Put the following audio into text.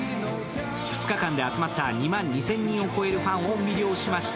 ２日間で集まった２万２０００人を超えるファンを魅了しました。